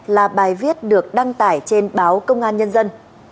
là bài viết được đăng tải trên báo công an nhân dân